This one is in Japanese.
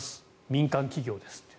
民間企業ですと。